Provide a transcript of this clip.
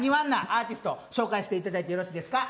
アーティスト紹介して頂いてよろしいですか。